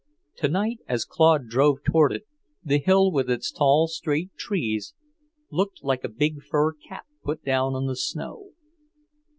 Tonight, as Claude drove toward it, the hill with its tall straight trees looked like a big fur cap put down on the snow.